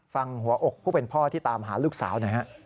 ฟังหัวอกผู้เป็นพ่อที่ตามหาลูกสาว